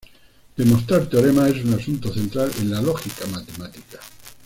Demostrar teoremas es un asunto central en la lógica matemática.